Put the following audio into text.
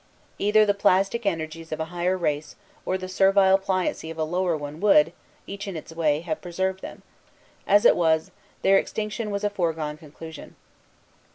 Either the plastic energies of a higher race or the servile pliancy of a lower one would, each in its way, have preserved them: as it was, their extinction was a foregone conclusion.